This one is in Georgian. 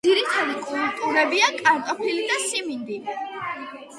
ძირითადი კულტურებია კარტოფილი და სიმინდი.